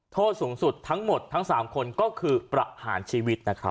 โทษสูงสุดทั้งหมดทั้ง๓คนก็คือประหารชีวิตนะครับ